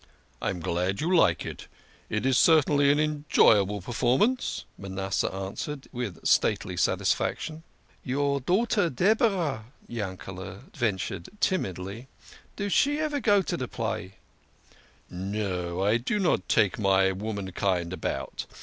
" I am glad you like it. It is certainly an enjoyable per formance," Manasseh answered with stately satisfaction. "Your daughter, Deborah," Yankele" ventured timidly, " do she ever go to de play?" " No, I do not take my womankind about.